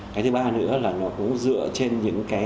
cái thứ ba nữa là nó cũng dựa trên những cái